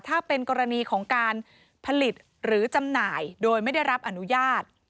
ถ้าเป็นกรณีของการผลิตหรือจำหน่ายโดยไม่ได้รับอนุญาต